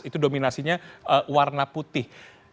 itu dominasinya warna putih